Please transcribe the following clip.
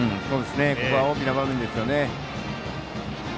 ここは大きな場面ですよね。